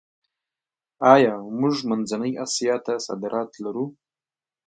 آیا موږ منځنۍ اسیا ته صادرات لرو؟